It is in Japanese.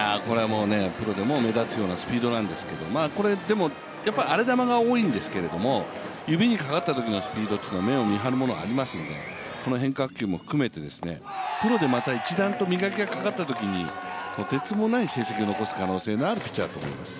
プロでも目立つようなスピードなんですけども、やっぱり荒れ球が多いんですけど、指にかかったスピードというのは目を見張るものがありますのでその変化球も含めて、プロでまた一段と磨きがかかったときにとてつもない成績を残すピッチャーだと思います。